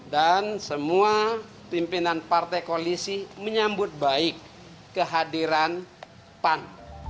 dan semua pimpinan partai koalisi menyambut baik kehadiran pan